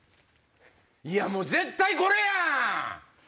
もう絶対これやん！